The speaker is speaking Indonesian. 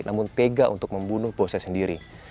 namun tega untuk membunuh bosnya sendiri